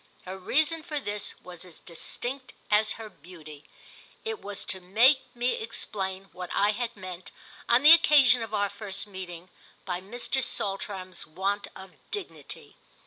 Her reason for this was as distinct as her beauty: it was to make me explain what I had meant, on the occasion of our first meeting, by Mr. Saltram's want of dignity.